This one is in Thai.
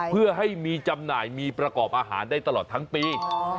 เพื่อให้มีจำหน่ายมีประกอบอาหารได้ตลอดทั้งปี